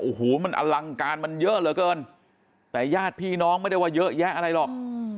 โอ้โหมันอลังการมันเยอะเหลือเกินแต่ญาติพี่น้องไม่ได้ว่าเยอะแยะอะไรหรอก